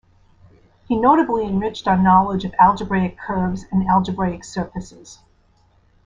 He notably enriched our knowledge of algebraic curves and algebraic surfaces.